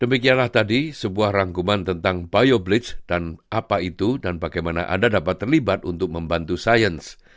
demikianlah tadi sebuah rangkuman tentang bioblis dan apa itu dan bagaimana anda dapat terlibat untuk membantu sains